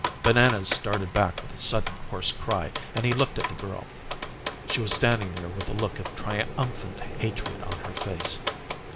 Bananas started back with a sudden hoarse cry and he looked at the girl. She was standing there with a look of triumphant hatred on her face.